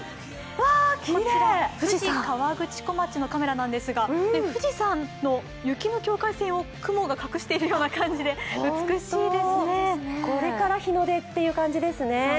こちら、富士河口湖町のカメラなんですが、富士山の雪の境界線を雲が隠してる感じでこれから日の出という感じですね。